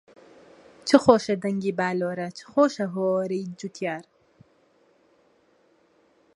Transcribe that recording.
چ خۆشە دەنگی باللۆرە، چ خۆشە هۆوەرەی جوتیار